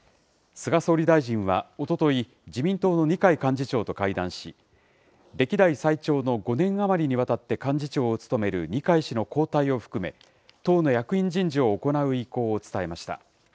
菅総理大臣はおととい、自民党の二階幹事長と会談し、歴代最長の５年余りにわたって幹事長を務める二階氏の交代を含め、党の役員人事を行う意向を伝えました。